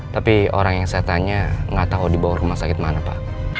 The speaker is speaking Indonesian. tapi orang yang saya tanya gak tau dibawa ke rumah sakit mana pak